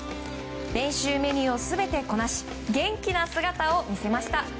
練習メニューを全てこなし元気な姿を見せました。